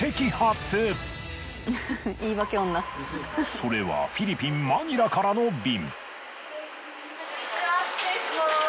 それはフィリピンマニラからの便。